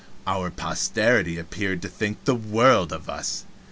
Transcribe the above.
Our posterity appeared to think the world of us.